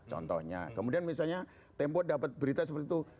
contohnya kemudian misalnya tempo dapat berita seperti itu